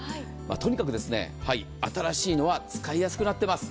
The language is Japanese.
とにかく新しいのは使いやすくなっています。